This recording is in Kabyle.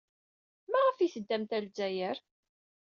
Maɣef ay teddamt ɣer Lezzayer?